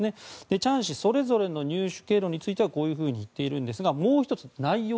チャン氏それぞれの入手経路についてはこういうふうに言っているんですがもう１つ、内容。